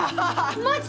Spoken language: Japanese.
マジ！？